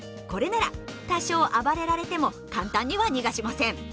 これなら多少暴れられても簡単には逃がしません。